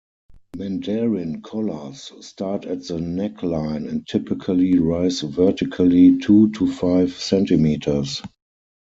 Mandarin collars start at the neckline and typically rise vertically two to five centimeters.